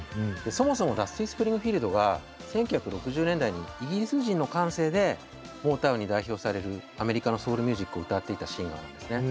そもそもダスティ・スプリングフィールドが１９６０年代にイギリス人の感性でモータウンに代表されるアメリカのソウルミュージックを歌っていたシンガーなんですね。